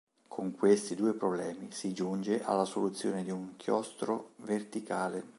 Con questi due problemi si giunge alla soluzione di un “chiostro verticale”.